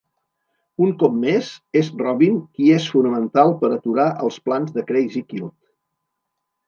Un cop més, és Robin qui és fonamental per aturar els plans de Crazy Quilt.